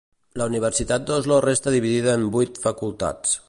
La universitat d'Oslo resta dividida en vuit facultats.